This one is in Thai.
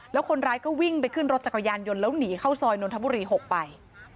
แล้วคนร้ายก็วิ่งไปขึ้นรถจักรยานยนต์แล้วหนีเข้าซอยนนทบุรี๖ไป